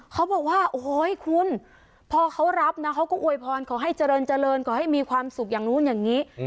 เขาบอกว่าโอ้โหคุณพอเขารับนะเขาก็อวยพรขอให้เจริญเจริญขอให้มีความสุขอย่างนู้นอย่างนี้